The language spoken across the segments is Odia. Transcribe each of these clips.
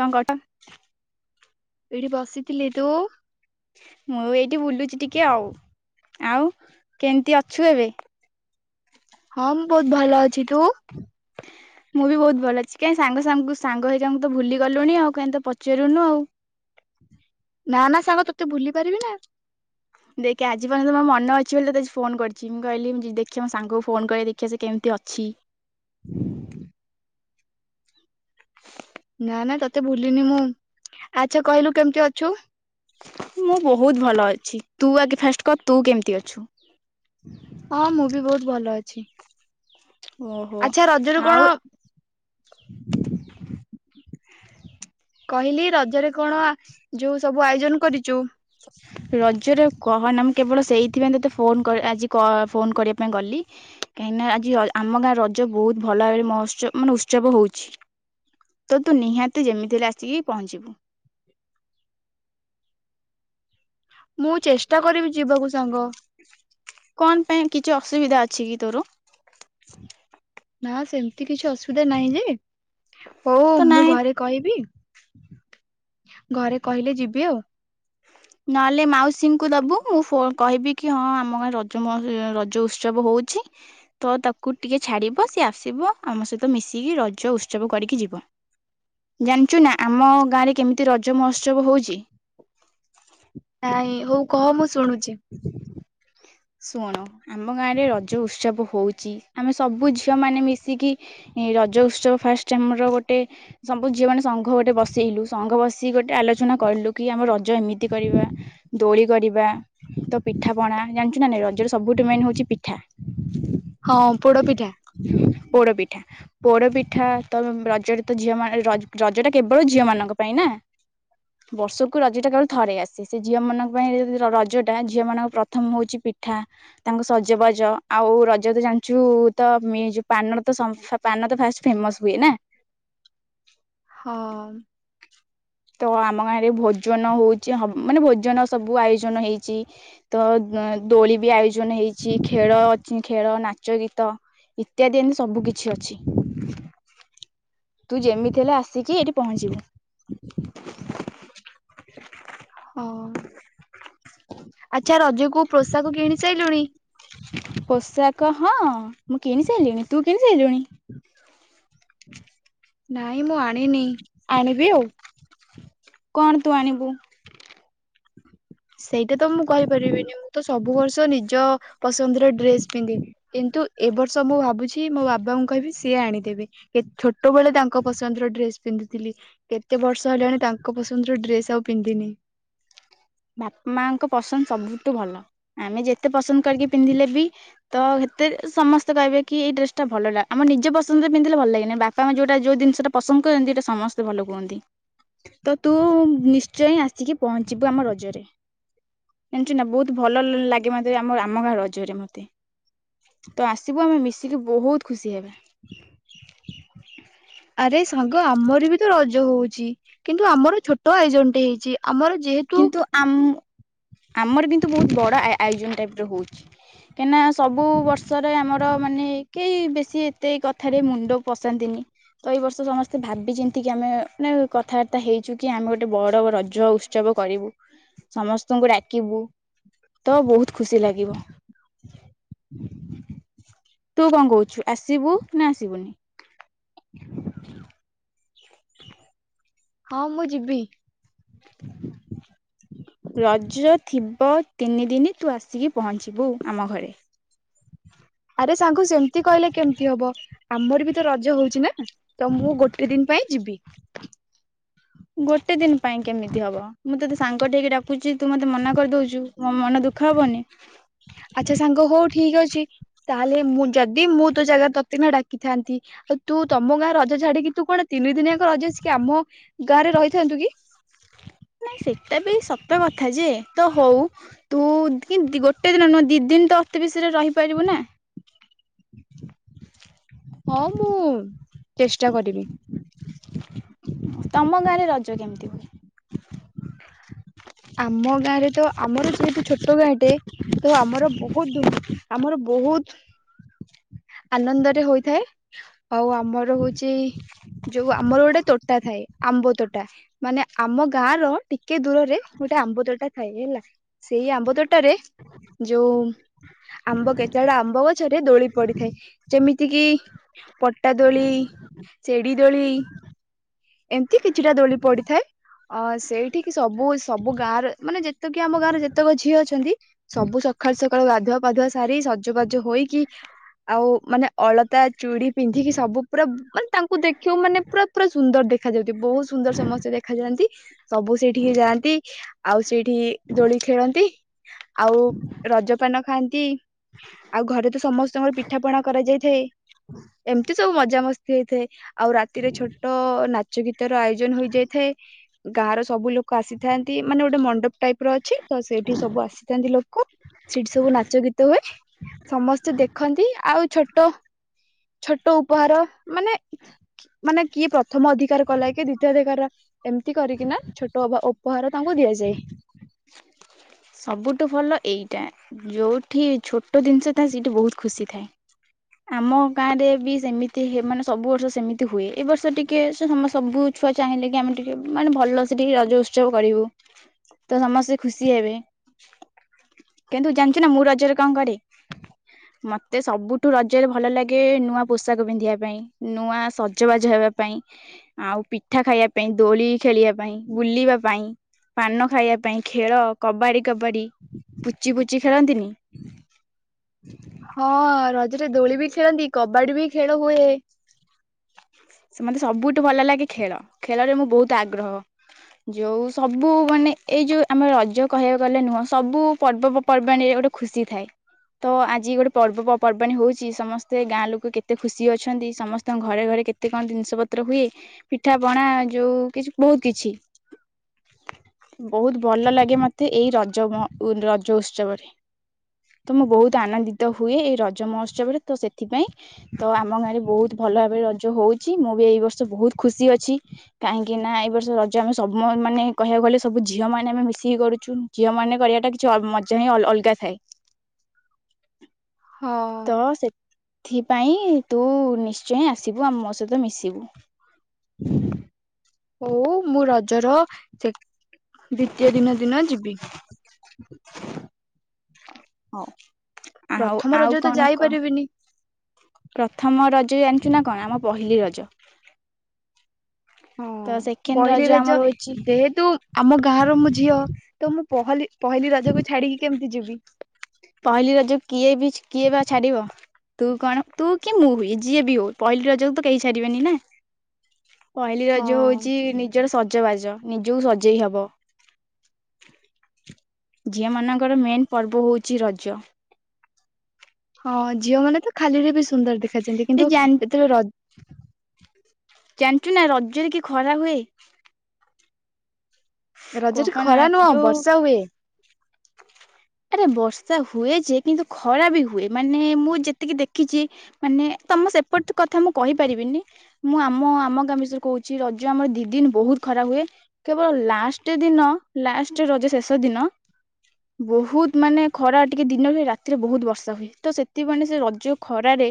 କଣ କଟ ଏଇଠି ବସିଥିଲି ତୁ? ମୁଁ ଏଇଠି ବୁଲୁଛି ଟିକେ ଆଉ ଆଉ କେମିତି ଅଛୁ ଏବେ ହଁ ମୁଁ ବହୁତ ଭଲ ଅଛି ତୁ ମୁଁ ବି ବହୁତ ଭଲ ଅଛି କାହିଁ ସାଙ୍ଗ ସାଙ୍ଗ ସାଙ୍ଗ ହେଇ ତାଙ୍କୁ ତ ଭୁଲି ଗଲଣି ଆଉ କାହିଁି ତ ପଚାରୁୁନୁ ଆଉ ନା ନା ସାଙ୍ଗ ତୋତେ ଭୁଲି ପାରିବି ନା ଦେଖେ ଆଜି ପର୍ଯ୍ୟନ୍ତ ମୋ ମନ ଅଛି ବୋଲି ତୋତେ ଆଜି ଫୋନ କରିଛି ମୁଁ କହିଲି ଦେଖିବା ମୋ ସାଙ୍ଗକୁ ଫୋନ କ ଦେଖିବା ସେ କେମିତି ଅଛି ନା ନା ତତେ ଭୁଲିିନି ମୁଁ ଆଚ୍ଛା କହିଲୁ କେମିତି ଅଛୁ? ମୁଁ ବହୁତ ଭଲ ଅଛି ତୁ ଆଗେ ଫାଷ୍ଟ କ ତୁ କେମିତି ଅଛୁ ହଁ ମୁଁ ବି ବହୁତ ଭଲ ଅଛି? ଓହୋ ଆଚ୍ଛା ରଜରେ କଣ ଆଉ କହିଲି ରଜରେ କଣ ଯୋଉ ସବୁ ଆୟୋଜନ କରିଛୁ ହୁ ରଜରେ କହନା ମୁଁ କେବଳ ସେଇଥିପାଇଁ ତତେ ଫୋନ ଆଜି ଫୋନ୍ କରିବା ପାଇଁ ଗଲି କାହିଁକି ନା ଆଜି ଆମ ଗାଁ ରଜ ବହୁତ ଭଲ ଭାବରେ ମହୋତ୍ସବ ମାନେ ଉତ୍ସବ ହଉଛି ତ ତୁ ନିହାତି ଯେମିତି ହେଲେ ଆସିକି ପହଞ୍ଚିବୁ ମୁଁ ଚେଷ୍ଟା କରିବି ଯିବାକୁ ସାଙ୍ଗ କଣ ପାଇଁ କିଛି ଅସୁବିଧା ଅଛି କି ତୋର ନା ସେମିତି କିଛି ଅସୁବିଧା ନାହିଁ ଯେ ହଉ ତ ମୁଁ ନାହିଁ ଘରେ କହିବି ଘରେ କହିଲେ ଯିବି ଆଉ ନହେଲେ ମାଉସୀଙ୍କୁ ଦବୁ ଫୋ କହିବି କି ହଁ ଆମ ଗାଁ ରେ ରଜ ସହ ରଜ ଉତ୍ସବ ହଉଛି। ତ ତାକୁ ଟିକେ ଛାଡ଼ିବ ସିଏ ଆସିବ ଆମ ସହିତ ମିଶିକି ରଜ ଉତ୍ସବ କରିକି ଯିବ। ଜାଣିଛୁ ନା ଆମ ଗାଁ ରେ କେମିତି ରଜ ମହୋତ୍ସବ ହଉଛି। ହଁ ନାଇଁ ହଉ କହ ମୁଁ ଶୁଣୁଛି। ଶୁଣ ଆମ ଗାଁ ରେ ରଜ ଉତ୍ସବ ହଉଛି ଆମେ ସବୁ ଝିଅ ମାନେ ମିଶିକି। ଏ ରଜ ଉତ୍ସବ ଫାଷ୍ଟ ଆମ ର ଗୋଟେ। ସବୁ ଝିଅ ମାନେ ସଂଘ ଗୋଟେ ବସେଇଲୁ ସଂଙ୍ଘ ବସିକ ଗୋଟେ ଆଲୋଚନା କଲୁ କି ଆମ ରଜ ଏମିତି କରିବା। ଦୋଳି କରିବା ତ ପିଠା ପଣା ଜାଣିଛୁ ନାଁ ନାଇଁ ରଜର ସବୁଠୁ ମେନ ହଉଛି ପିଠା। ହଁ ପୋଡ ପିଠା। ପୋଡ ପିଠା। ପୋଡ ପିଠା ତ ରଜରେ ତ ଝିଅ ମାନେ ରଜ୍ ରଜ ଟା କେବଳ ଝିଅ ମାନଙ୍କ ପାଇଁ ନା। ବର୍ଷକୁ ରଜ ଟା କାବେଳେ ଥରେ ଆସେ ସେ ଝିଅ ମାନଙ୍କ ପାଇଁ ରଜଟା ଝିଅ ମାନଙ୍କ ପ୍ର ପ୍ରଥମ ହଉଛି ପିଠା ତାଙ୍କ ସଜବାଜ ଆଉ ରଜ ତ ଜାଣିଛୁ। ତ ମି ଯୋଉ ପାନର ତ ସମ ପାନ ତ ଫାଷ୍ଟ ଫେମସ ହୁଏ ନା। ହଁ। ତ ଆମ ଗାଁରେ ଭୋଜନ ହଉଛି ହ ମାନେ ଭୋଜନ ସବୁ ଆୟୋଜନ ହେଇଛି। ତ ଦୋଳି ବି ଆୟୋଜନ ହେଇଛି ଖେଳ ଅଛି ଖେଳ ନାଚ ଗୀତ। ଇତ୍ୟାଦି ଏମିତି ସବୁ କିଛି ଅଛି। ତୁ ଯେମିତି ହେଲେ ଆସିକି ଏଇଠି ପହଞ୍ଚିବୁ। ହଁ ଆଚ୍ଛା ରଜକୁ ପୋଷାକ କିଣି ସାଇଲୁଣି। ପୋଷାକ ହଁ ମୁଁ କିଣି ସାଇଲିଣି ତୁ କିଣି ସାଇଲୁଣି। ନାଇଁ ମୁଁ ଆଣିନି ଆଣିବି ଆଉ। କଣ ତୁ ଆଣିବୁ। ସେଇଟା ତ ମୁଁ କହିପାରିବିନି ମୁଁ ତ ସବୁ ବର୍ଷ ନିଜ ପସନ୍ଦର ଡ୍ରେସ ପିନ୍ଧିବି। କିନ୍ତୁ ଏବ ବର୍ଷ ମୁଁ ଭାବୁଛି ମୋ ବାବାଙ୍କୁ କହିବି ସିଏ ଆଣିଦେବେ। କେ ଛୋଟବେଳେ ତାଙ୍କ ପସନ୍ଦର ଡ୍ରେସ୍। ପିନ୍ଧିଥିଲି କେତେ ବର୍ଷ ହେଲାଣି ତାଙ୍କ ପସନ୍ଦର ଡ୍ରେସ ଆଉ ପିନ୍ଧିନି। ବାପ ମାଙ୍କ ପସନ୍ଦ ସବୁଠୁ ଭଲ ଆମେ ଯେତେ ପସନ୍ଦ କରିକି ପିନ୍ଧିଲେ ବି। ତ ସେତେ ସମସ୍ତେ କହିବେ କି ଏଇ ଡ୍ରେସଟା ଭଲ ଲା ଆମ ନିଜେ ପସନ୍ଦରେ ପିନ୍ଧିଲେ ଭଲ ଲାଗେନି ବାପା ମା ଯୋଉଟା ଯୋଉ ଜିନିଷଟା। ପସନ୍ଦ କରନ୍ତି ସେଇଟା ସମସ୍ତେ ଭଲ କୁହନ୍ତି। ତ ତୁ ନିଶ୍ଚୟ ଆସିକି ପହଞ୍ଚିବୁ ଆମ ର ଜ ରେ ଜାଣିଛୁ ନା ବହୁତ ଭଲ ଲ ଲାଗେ ମତେ ଆମ ଆମ ଗାଁ ରଜ ରେ ମତେ। ତ ଆସିବୁ ଆମେ ମିଶିକି ବହୁତ ଖୁସି ହେବା। ଆରେ ସାଙ୍ଗ ଆମର ବି ତ ରଜ ହଉଛି କିନ୍ତୁ ଆମର ଛୋଟ ଆୟୋଜନ ଟେ ହେଇଛି ଆମର ଯେହେ କିନ୍ତୁ ଆମ ଆମର କିନ୍ତୁ ବହୁତ ବଡ ଆ ଆୟୋଜନ ଟାଇପ ର ହଉଛି। କାହିଁକିନା ସବୁ ବର୍ଷରେ ଆମର ମାନେ କେହି ବେଶୀ ଏତେ କଥାରେ ମୁଣ୍ଡ ପଶାନ୍ତିନି। ତ ଏଇ ବର୍ଷ ସମସ୍ତେ ଭାବି ଚିନ୍ତିକି ଆମେ ନାଇଁ କଥାବାର୍ତ୍ତା ହେଇଛୁ କି ଆମେ ଗୋଟେ ବଡ ରଜ ଉସ ଉତ୍ସବ କରିବୁ ସମସ୍ତଙ୍କୁ ଡାକିବୁ। ତ ବହୁତ ଖୁସି ଲାଗିବ। ହଁ ତୁ କଁ କହୁଛୁ ଆସିବୁ ନା ଆସିବୁନି? ହଁ ମୁଁ ଯିବି। ରଜ ଥିବ ତିନିଦିନ ତୁ ଆସିକି ପହଞ୍ଚିବୁ ଆମ ଘରେ। ଆରେ ସାଙ୍ଗ ସେମିତି କହିଲେ କେମିତି ହବ। ଆମର ବି ତ ରଜ ହଉଛି ନା ତ ମୁଁ ଗୋଟେ ଦିନ ପାଇଁ ଯିବି। ଗୋଟେ ଦିନ ପାଇଁ କେମିତି ହବ? ମୁଁ ତତେ ସାଙ୍ଗ ଠି ହେଇକି ଡାକୁଚି ତୁ ମତେ ମନା କରିଦଉଛୁ ମୋ ମନ ଦୁଃଖ ହବନି। ଆଚ୍ଛା ସାଙ୍ଗ ହଉ ଠିକ ଅଛି ତାହେଲେ ମୁଁ ଯଦି ମୁଁ ତୋ ଜାଗା ତତେ ନା ଡାକିଥାନ୍ତି। ଆଉ ତୁ ତମ ଗାଁରେ ରଜ ଛାଡିକି ତୁ କଣ ତିନି ଦିନିଆଙ୍କ ରଜ ଆସିକି ଆମ ଗାଁରେ ରହିଥାନ୍ତୁ କି? ନାଇଁ ସେଇଟା ବି ସତ କଥା ଯେ ତ ହଉ। ତୁ କିନ୍ତ ଗୋଟେ ଦିନ ନୁହେ ଦୁଇ ଦିନ ତ ଅତି ବିଶରେ ରହିପାରିବୁ ନା। ହଁ ମୁଁ ଚେଷ୍ଟା କରିବି। ତମ ଗାଁରେ ରଜ କେମିତି ହୁଏ? ଆମ ଗାଁରେ ତ ଆମର ଯେହେତୁ ଛୋଟ ଗାଁଟେ ତ ଆମର ବହୁତ ଆମର ବହୁତ ଆନନ୍ଦରେ ହୋଇଥାଏ ଆଉ ଆମର ହଉଛି ଯୋଉ ଆମର ଗୋଟେ ତୋଟା ଥାଏ ଆମ୍ବ ତୋଟା। ମାନେ ଆମ ଗାଁ ର ଟିକେ ଦୂରରେ ଗୋଟେ ଆମ୍ବୁଦଟା ଥାଏ ହେଲା। ସେଇ ଆମ୍ବ ତୋଟାରେ ଯୋଉ ଆମ୍ବ କେତେବେଡା ଆମ୍ବ ଗଛରେ ଦୋଳି ପଡି ଥାଏ ଯେମିତି କିି ପଟା ଦୋଳି ସେଡି ଦୋଳି ଏମିତି କିଛିଟା ଦୋଳି ପଡିଥାଏ। ଅ ସେଇଠିକି ସବୁ ସବୁ ଗାଁରେ ମାନେ ଯେତକି ଆମ ଗାଁରେ ଯେତେକ ଝିଅ ଅଛନ୍ତି ସବୁ ସକାଳୁ ସକାଳୁ ଗାଧୁଆ ପାଧୁଆ ସାରି ସଜବାଜ ହୋଇକି ଆଉ ମାନେ ଅଳତା ଚୁଡି ପିନ୍ଧିକି ସବୁ ପୁରା ମାନେ ତାଙ୍କୁ ଦେଖିବ ମାନେ ପୁରା ପୁରା ସୁନ୍ଦର ଦେଖ ଦେଖାଯାଉ ବହୁତ ସୁନ୍ଦର ସମସ୍ତେ ଦେଖାଯାଆନ୍ତି ସବୁ ସେଇଠିକି ଯାଆନ୍ତି। ଆଉ ସେଇଠି ଦୋଳି ଖେଳନ୍ତି ଆଉ ରଜପାନ ଖାଆନ୍ତି। ଆଉ ଘରେ ତ ସମସ୍ତଙ୍କର ପିଠା ପଣା କରାଯାଇଥାଏ। ଏମିତି ସବୁ ମଜାମସ୍ତି ହେଇଥାଏ ଆଉ ରାତିରେ ଛୋଟ ନାଚ ପ୍ରଯୋଗିତ ର ଆୟୋଜନ ହୋଇଯାଇଥାଏ। ଗାଁର ସବୁ ଲୋକ ଆସିଥାନ୍ତି ମାନେ ଗୋଟେ ମଣ୍ଡପ ଟାଇପ ର ଅଛି ତ ସେଇଠି ସବୁ ଆସିଥାନ୍ତି ଲୋକ। ସେଠି ସବୁ ନାଚ ଗୀତ ହୁଏ ସମସ୍ତେ ଦେଖନ୍ତି ଆଉ ଛୋଟ ଛୋଟ ଉପହାର ମାନେ ମାନେ କିଏ ପ୍ରଥମ ଅଧିକାର କଲାକ ଦ୍ୱିତୀୟଧିକାର ଏମିତି କରିକିନା ଛୋଟ ଉପହାର ତାଙ୍କୁ ଦିଆଯାଏ। ସବୁଠୁ ଭଲ ଏଇଟା ଯୋଉଠି ଛୋଟ ଜିନିଷ ଥାଏ ସେଇଠି ବହୁତ ଖୁସି ଥାଏ। ଆମ ଗାଁ ରେ ବି ସେମିତି ମାନେ ସବୁ ବର୍ଷ ସେମିତି ହୁଏ ଏ ବର୍ଷ ଟିକେ ସେ ସବୁ ଛୁଆ ଚାହିଁଲେ କି ଆମେ ଟିକେ ମାନେ ଭଲ ସେ ଟିକେ ରଜ ଉତ୍ସବ କରିବୁ। ତ ସମସ୍ତେ ଖୁସି ହେବେ। କିନ୍ତୁ ଜାଣିଛୁ ନା ମୁଁ ରଜରେ କଣ କରେ? ମତେ ସବୁଠୁ ରଜରେ ଭଲ ଲାଗେ ନୂଆ ପୋଷାକ ପିନ୍ଧିବା ପାଇଁ। ନୂଆ ସଜବାଜ ହେବା ପାଇଁ ଆଉ ପିଠା ଖାଇବା ପାଇଁ ଦୋଳି ଖେଳିବା ପାଇଁ ବୁଲିବା ପାଇଁ ପାନ ଖାଇବା ପାଇଁ ଖେଳ କବାଡି କବାଡ଼ି ପୁଚି ପୁଚି ଖେଳନ୍ତିନି? ହଁ ରଜରେ ଦୋଳି ବି ଖେଳନ୍ତି କବାଡି ବି ଖେଳ ହୁଏ। ସେ ମୋତେ ସବୁଠୁ ଭଲ ଲାଗେ ଖେଳ ଖେଳରେ ମୁଁ ବହୁତ ଆଗ୍ରହ। ଯୋଉ ସବୁ ମାନେ ଏଇ ଯୋଉ ଆମେ ରଜ କହିବାକୁ ଗଲେ ନୁହଁ ସବୁ ପର୍ବ ପର୍ବାଣିରେ ଗୋଟେ ଖୁସି ଥାଏ। ତ ଆଜି ଗୋଟେ ପର୍ବପର୍ବାଣିୀ ହଉଛି ସମସ୍ତେ ଗାଁ ଲୋକ କେତେ ଖୁସି ଅଛନ୍ତି ସମସ୍ତଙ୍କ ଘରେ ଘରେ କେତେ ଏତେ କଣ ଜିନିଷ ପତ୍ର ହୁଏ ପିଠା ପଣା ଯୋଉ କିଛି ବହୁତ କିଛି ବହୁତ ଭଲ ଲାଗେ ମତେ ଏଇ ରଜ ମ ରଜ ଉତ୍ସବରେ ତ ମୁଁ ବହୁତ ଆନନ୍ଦିତ ହୁଏ, ଏଇ ରଜ ମହୋତ୍ସବରେ ତ ସେଥିପାଇଁ ତ ଆମ ଗାଁରେ ବହୁତ ଭଲ ଭାବରେ ରଜ ହଉଛି ମୁଁ ବି ଏଇ ବର୍ଷ ବହୁତ ଖୁସି ଅଛି। କାହିଁକି ନା ଏଇ ବର୍ଷ ରଜ ଆମେ ସବୁ ମାନେ କହିବାକୁ ଗଲେ ସବୁ ଝିଅ ମାନେ ଆମେ ମିଶିକି କରୁଛୁ। ଝିଅ ମାନେ କରିବାଟା କିଛି ଅ ମଜା ହିଁ ଅଲଗା ଥାଏ। ହଁ ତ ସେଥିପାଇଁ ତୁ ନିଶ୍ଚୟ ଆସିବୁ ଆଉ ମୋ ସହିତ ମିଶିବୁ। [unintelligible] ହଉ ମୁଁ ରଜର ସେ ଦ୍ଵିତୀୟ ଦିନ ଦିନ ଯିବି। ହଉ। ଆଉ ପ୍ରଥମ ରଜ ଆଉ ତ କଣ କହ। ଯାଇପାରିବିନି ପ୍ରଥମ ରଜ ଜାଣିଛୁ ନା କଣ ଆମ ପହିଲି ରଜ। ହଁ ତ ସେକେଣ୍ଡ ପହିଲି ରଜ ଆମର ହଉଛି ଯେହେତୁ ଆମ ଗାଁର ମୁଁ ଝିଅ ତ ମୁଁ ପହଲି ପହିଲି ରଜ କୁ ଛାଡିକି କେମିତି ଯିବି। ପହିଲି ରଜ କିଏ ବି କିଏ ବା ଛାଡିବ। ତୁ କଣ ତୁ କି ମୁଁ ହୁଏ ଯିଏ ବି ହଉ ପହିଲି ରଜକୁ ତ କେହି ଛଡିବେନି ନା। ପହିଲି ହଁ ରଜ ହଉଛି ନିଜର ସଜବାଜ, ନିଜକୁ ସଜେଇ ହବ। ଝିଅ ମାନଙ୍କର ମେନ୍ ପର୍ବ ହଉଛି ରଜ। ହଁ, ଝିଅ ମାନେ ତ ଖାଲିରେ ବି ସୁନ୍ଦର ଦେଖାଯଛନ୍ତି। ଏ କିନ୍ତୁ ଜାଣି ଯେତେବେଳେ ରଜ ଜାଣିଛୁ ନା ରଜରେ କି ଖରା ହୁଏ। ରଜ ରେ କହନା ଖରା ନୁହଁ ଯୋଉ ବର୍ଷା ହୁଏ। ଆରେ ବର୍ଷା ହୁଏ ଯେ କିନ୍ତୁ, ଖରା ବି ହୁଏ ମାନେ ମୁଁ ଯେତିକି ଦେଖିଛି ମାନେ ତମ ସେପଟ କଥା ମୁଁ କହିପାରିବିନି। ମୁଁ ଆମ ଆମ ଗାଁ ବିଷୟରେ କହୁଛିି ରଜ ଆମର ଦି ଦିନ ବହୁତ ଖରା ହୁଏ। କେବଳ ଲାଷ୍ଟ ଦିନ ଲାଷ୍ଟ ରଜ ଶେଷ ଦିନ ବହୁତ ବହୁତ ମାନେ ଖରା ଟିକେ ଦିନରେ ରାତିରେ ବହୁତ ବର୍ଷା ହୁଏ ତ ସେଥିପାଇଁ ସେ ରଜ ଖରାରେ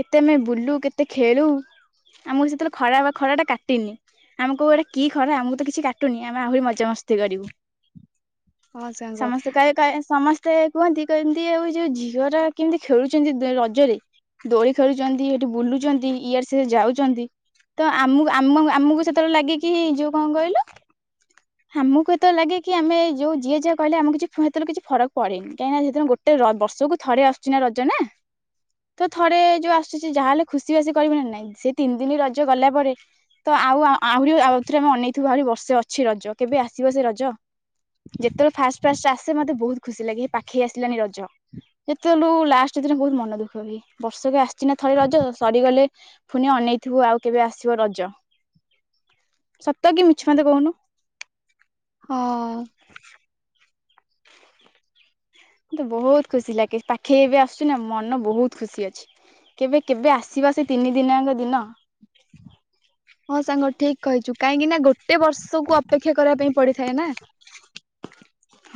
କେତେ ଆମେ ବୁଲୁ କେତେ ଖେଳୁ ଆମକୁ ସେତେବେଳେ ଖରା ବା ଖରା ଟା କାଟିନି। ଆମ କଉ ଏଟା କି ଖରା ଆମକୁ ତ କିଛି କାଟୁନି ଆମେ ଆହୁରି ମଜା ମସ୍ତି କରିବୁ। ହଁ ସାଙ୍ଗ ସମସ୍ତେ କହ ସମସ୍ତେ କୁହନ୍ତି କ୍ ଏମିତି ଆଉ ଯୋଉ ଝିଅ ଗୁରା କେମିତି ଖେଳୁଛନ୍ତି ରଜରେ। ଦୋଳି ଖେଳୁଛନ୍ତି ଏଠି ବୁଲୁଛନ୍ତି ଇଆରେ ସିଆରେ ଯାଉଛନ୍ତି। ତମ ଆମୁ ଆମୁ ଆମକୁ ସେତେବେଳେ ଲାଗେ କି ଯୋଉ କଣ କହିଲ ଆମକୁ ଏତେ ଲାଗେ କି ଆମେ ଯୋଉ ଯିଏ ଯାହା କହିଲେ ଆମକୁ କିଛି ଫ ସେତେବେଳେ କିଛି ଫରକ ପଡେନି କାହିଁକି ନା ସେଦିନ ଗୋଟେ ବର୍ଷକୁ ଥରେ ଆସୁଛି ନା ରଜ ନା। ତ ଥରେ ଯୋଉ ଆସୁଛି ଯାହା ହେଲେ ଖୁସି ବାସି କରିବୁ ନା ନାଇଁ ସେ ତିନି ଦିନି ରଜ ଗଲା ପରେ ତ ଆଉ ଆ ଆହୁରି ଆଉଥରେ ଆମେ ଅନେଇଥିବୁ ଆହୁରି ବର୍ଷେ ଅଛି ରଜ କେବେ ଆସିବ ସେ ରଜ। ଯେତେବେଳେ ଫାଷ୍ଟ ଫାଷ୍ଟ୍ ଆସେ ମତେ ବହୁତ ଖୁସି ଲାଗେ ହେ ପାଖେଇ ଆସିଲାଣି ରଜ। ଯେତେବେଳୁ ଲାଷ୍ଟ ଦିନ ବହୁତ ମନ ଦୁଃଖ ହୁଏ ବର୍ଷକେ ଆସିଚ ନା ଥରେ ରଜ ସରିଗଲେ ପୁଣି ଅନେଇଥିବୁ ଆଉ କେବେ ଆସିବ ରଜ। ସତ କି ମିଛ ମତେ କହୁନୁ? ହଁ। ମୋତେ ବହୁତ ଖୁସି ଲାଗେ ପାଖେଇ ଏବେ ଆସୁଛିୁ ନା ମନ ବହୁତ ଖୁସି ଅଛି। କେବେ କେବେ ଆସିବା ସେ ତିନି ଦିନି ଆଙ୍କ ଦିନ। ହଁ, ସାଙ୍ଗ ଠିକ୍ କହିଛୁ କାହିଁକି ନା ଗୋଟେ ବର୍ଷକୁ ଅପେକ୍ଷା କରିବା ପାଇଁ ପଡିଥାଏ ନା।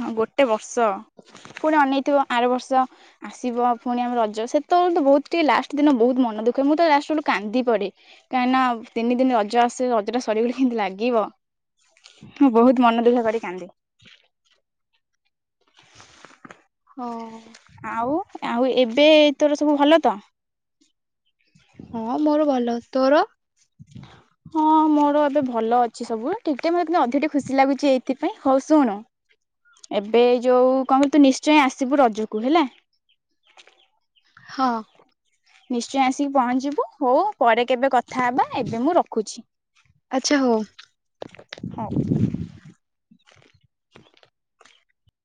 ହଁ, ଗୋଟେ ବର୍ଷ, ପୁଣି ଅନେଇଥିବ ଆର ବର୍ଷ ଆସିବ ପୁଣି ଆମ ରଜ ସେତେବେଳେ ତ ବହୁତ ଟିକେ ଲାଷ୍ଟ ଦିନ ବହୁତ ମନ ଦୁଃଖ ମୁଁ ତ ଲାଷ୍ଟ ବେଳକୁ କାନ୍ଦି ପଡ଼େ। କାଇଁନା ତିନି ଦିନ ରଜ ଆସେ ରଜ ଟା ସରିଗଲେେ କେମିତି ଲାଗିବ। ମୁଁ ବହୁତ ମନ ଦୁଃଖ କରି କାନ୍ଦେ। [inaudible] ହଁ। ଆଉ, ଆଉ ଏବେ ତୋର ସବୁ ଭଲ ତ? ହଁ ମୋର ଭଲ ତୋର? ହଁ [inaudible] ମୋର ଏବେ ଭଲ ଅଛି ସବୁ। ଠିକ ଟାଇମରେ ହେଇଥିଲେ ମତେନ୍ତୁ ଅଧିକଟିକେ ଖୁସି ଲାଗୁଚି ଏଇଥିପାଇଁ ହୋଉ ଶୁଣ। ଏବେ ଯେଉଁ କହତୁ ନିଶ୍ଚୟ ଆସିବୁ ରଜକୁ ହେଲା। ହ। ନିଶ୍ଚୟ ଆସିକି ପହଞ୍ଚିବୁ ହୋଉ ପରେ କେବେ କଥା ହବା ଏବେ ମୁଁ ରଖୁଛି। ଆଚ୍ଛା ହୋଉ। ହୋଉ।